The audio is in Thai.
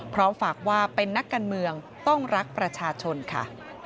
พร้อมฝากว่าเป็นนักการเมืองต้องรักประชาชนค่ะ